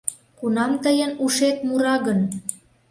Кунам тыйын ушет мура гын?!